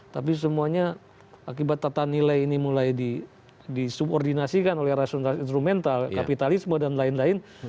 tapi semuanya akibat tata nilai ini mulai disubordinasikan oleh rasional instrumental kapitalisme dan lain lain